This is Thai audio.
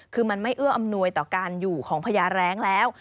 คือมันไม่เอื้ออำนวยต่อการอยู่ของพญาแร้งแล้ว